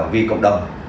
vì cộng đồng